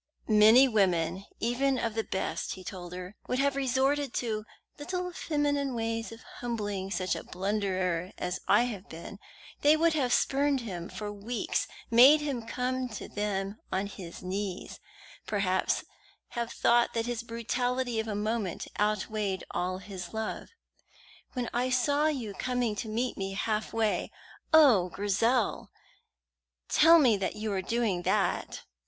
"Many women, even of the best," he told her, "would have resorted to little feminine ways of humbling such a blunderer as I have been: they would have spurned him for weeks; made him come to them on his knees; perhaps have thought that his brutality of a moment outweighed all his love. When I saw you coming to meet me half way oh, Grizel, tell me that you were doing that?"